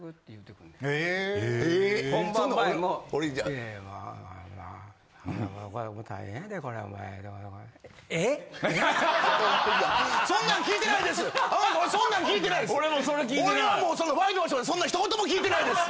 俺そんなん聞いてないです！